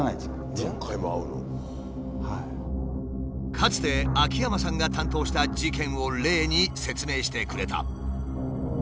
かつて秋山さんが担当した事件を例に説明してくれた。